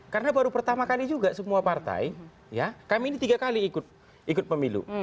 karena baru pertama kali juga semua partai kami ini tiga kali ikut pemilu